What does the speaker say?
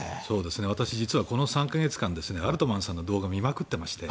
私、実はこの３か月間アルトマンさんの動画を見まくっていまして。